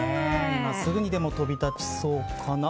今すぐにでも飛び立ちそうかな。